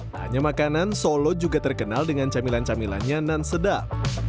hanya makanan solo juga terkenal dengan camilan camilannya nan sedap